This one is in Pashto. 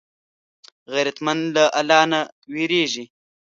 غیرتمند له الله نه وېرېږي